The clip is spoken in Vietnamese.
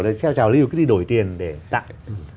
theo trào lưu cứ đi đổi tiền để tặng